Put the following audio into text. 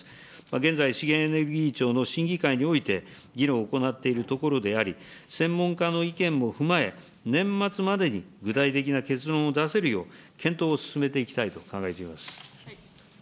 現在、資源エネルギー庁の審議会において、議論を行っているところであり、専門家の意見も踏まえ、年末までに具体的な結論を出せるよう、検討を進めていきたいと考えています。